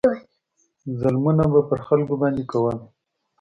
ظلمونه به پر خلکو باندې کول.